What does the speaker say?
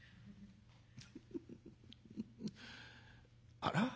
「あら？